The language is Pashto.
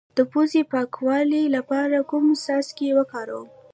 د پوزې د پاکوالي لپاره کوم څاڅکي وکاروم؟